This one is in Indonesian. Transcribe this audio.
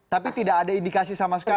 tapi tidak ada indikasi sama sekali